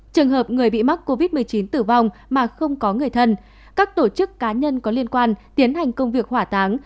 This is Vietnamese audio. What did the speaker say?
trường hợp người bị mắc covid một mươi chín tử vong mà không có người thân các tổ chức cá nhân có liên quan tiến hành công việc hỏa táng